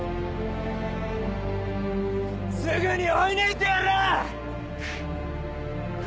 すぐに追い抜いてやらぁ！